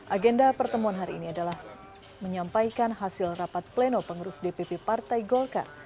agenda pertemuan hari ini adalah menyampaikan hasil rapat pleno pengurus dpp partai golkar